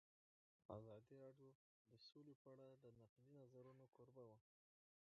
ازادي راډیو د سوله په اړه د نقدي نظرونو کوربه وه.